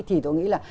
thì tôi nghĩ là